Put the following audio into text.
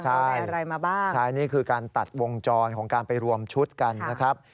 ใช่มาบ้างใช่นี่คือการตัดวงจรของการไปรวมชุดกันนะครับ